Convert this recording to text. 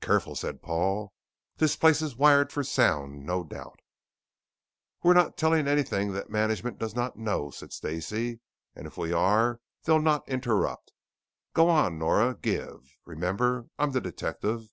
"Careful," said Paul. "This place is wired for sound, no doubt." "We're not telling anything that the Management does not know," said Stacey. "And if we are, they'll not interrupt. Go on, Nora. Give. Remember, I'm the detective.